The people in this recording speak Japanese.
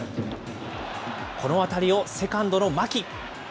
この当たりをセカンドの牧。